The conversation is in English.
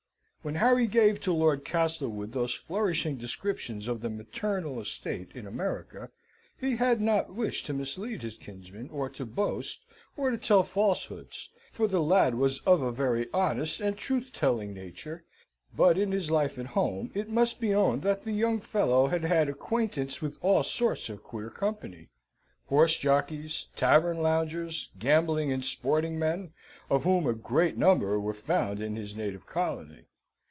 When Harry gave to Lord Castlewood those flourishing descriptions of the maternal estate in America, he had not wished to mislead his kinsman, or to boast, or to tell falsehoods, for the lad was of a very honest and truth telling nature; but, in his life at home, it must be owned that the young fellow had had acquaintance with all sorts of queer company, horse jockeys, tavern loungers, gambling and sporting men, of whom a great number were found in his native colony.